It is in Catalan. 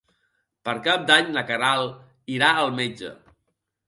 Per Cap d'Any na Queralt irà al metge.